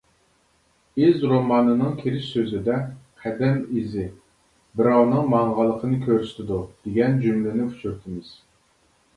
«ئىز» رومانىنىڭ كىرىش سۆزىدە «قەدەم ئىزى — بىراۋنىڭ ماڭغانلىقىنى كۆرسىتىدۇ» دېگەن جۈملىنى ئۇچرىتىمىز.